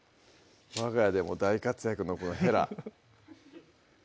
わが家でも大活躍のこのヘラ